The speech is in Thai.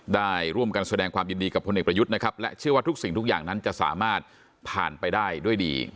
ได้ร่วมกันแสดงความยินดีกับพลเอกประยุทธ์นะครับและเชื่อว่าทุกสิ่งทุกอย่างนั้นจะสามารถผ่านไปได้ด้วยดี